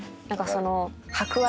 何かその。